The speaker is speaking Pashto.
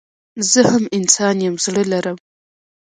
زه هم انسان يم زړه لرم